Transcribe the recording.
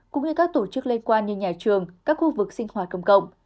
cũng như các tổ chức liên quan như nhà trường các khu vực sinh hoạt công cộng